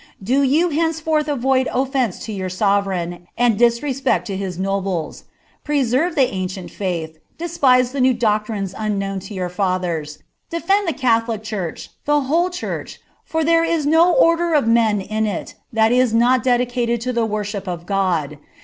Do you henceforth avoid offence to your sovereign, and disrespect to his nobles. Preserve the ancient faith; despise the new doctrincH unknown to your fathers ; defend the catholic church, the whole church, for there is no order of men in it, that is not dedicated to the worship uf God.